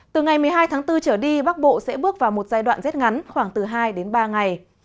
từ ngày một mươi hai tháng bốn trở đi bắc bộ sẽ bước vào một giai đoạn rất ngắn khoảng từ hai đến ba ngày